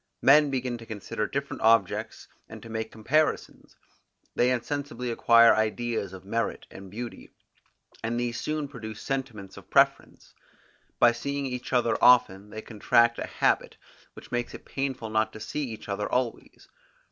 Men begin to consider different objects, and to make comparisons; they insensibly acquire ideas of merit and beauty, and these soon produce sentiments of preference. By seeing each other often they contract a habit, which makes it painful not to see each other always.